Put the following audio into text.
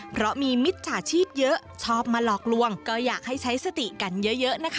เพราะมีมิจฉาชีพเยอะชอบมาหลอกลวงก็อยากให้ใช้สติกันเยอะนะคะ